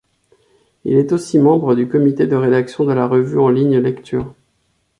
Il est aussi membre du comité de rédaction de la revue en ligne Lectures.